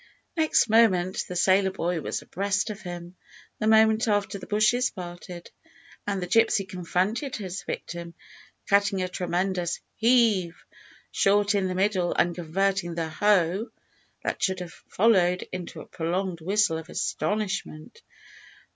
Next moment the sailor boy was abreast of him. The moment after that the bushes parted, and the gypsy confronted his victim, cutting a tremendous "heave!" short in the middle, and converting the "ho!" that should have followed, into a prolonged whistle of astonishment.